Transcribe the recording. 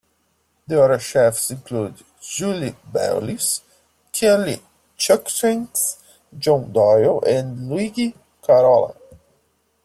The other chefs include Julie Baylis, Kelly Cruickshanks, John Doyle, and Luigi Carola.